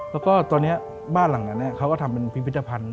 แล้วก็ตอนนี้บ้านหลังนั้นเขาก็ทำเป็นพิพิธภัณฑ์